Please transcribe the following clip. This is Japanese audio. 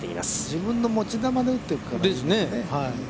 自分の持ち球で打っているからいいよね。